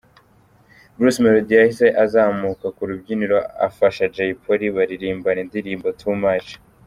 Bruce Melody yahise azamuka ku rubyiniro afasha Jay Polly baririmbana indirimbo ‘Too Much’.